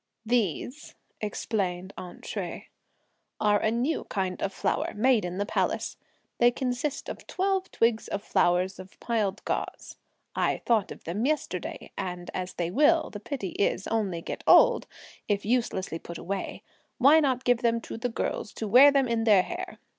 "These," explained "aunt" Hsüeh, "are a new kind of flowers, made in the palace. They consist of twelve twigs of flowers of piled gauze. I thought of them yesterday, and as they will, the pity is, only get old, if uselessly put away, why not give them to the girls to wear them in their hair!